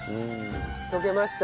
溶けました！